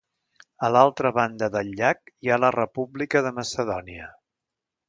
A l'altra banda del llac hi ha la República de Macedònia.